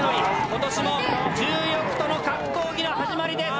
今年も重力との格闘技の始まりです。